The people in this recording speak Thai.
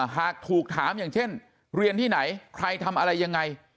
หากถูกถามอย่างเช่นเรียนที่ไหนใครทำอะไรยังไง